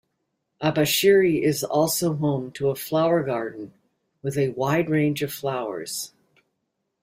Abashiri is also home to a flower garden with a wide range of flowers.